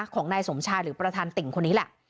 ของนายสมชายหรือประธานติ่งคนนี้แหละ